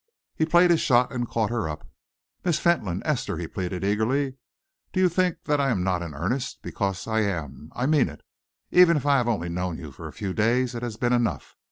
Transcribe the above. He played his shot and caught her up. "Miss Fentolin Esther," he pleaded eagerly, "do you think that I am not in earnest? Because I am. I mean it. Even if I have only known you for a few days, it has been enough.